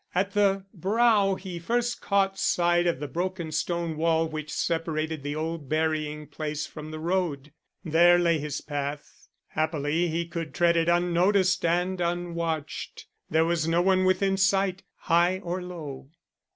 At the brow he first caught sight of the broken stone wall which separated the old burying place from the road. There lay his path. Happily he could tread it unnoticed and unwatched. There was no one within sight, high or low.